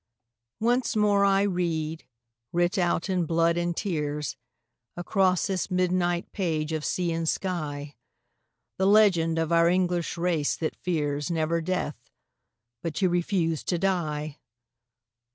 Once more I read, writ out in blood and tears, Across this midnight page of sea and sky, The legend of our English race that fears, never death, but to refuse to die